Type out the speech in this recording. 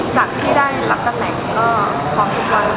จากที่ได้รับตำแหน่งก็พร้อมทุกวัน